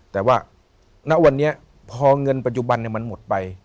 แต่ว่าณวันนี้พอเงินปัจจุบันมันหมดไป